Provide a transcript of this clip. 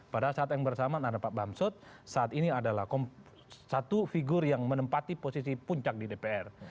pada saat yang bersamaan ada pak bamsud saat ini adalah satu figur yang menempati posisi puncak di dpr